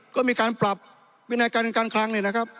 ก็มีการปรับวินัยการการคลัง